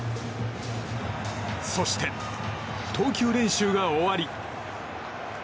そして、投球練習が終わり。